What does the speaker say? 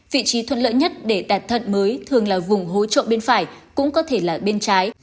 vị trí thuận lợi nhất để tạt thận mới thường là vùng hối trộn bên phải cũng có thể là bên trái